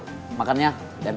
tidak ada yang ngeroyok